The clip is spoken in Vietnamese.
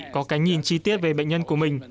có cái nhìn chi tiết về bệnh nhân của mình